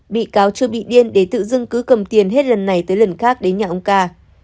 bị cáo chưa bị điên để tự dưng cứ cầm tiền hết lần này tới lần khác đến nhà ông ca